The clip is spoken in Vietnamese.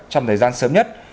trong thời gian sớm nhất